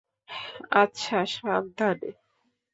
আচ্ছা, সাবধানে।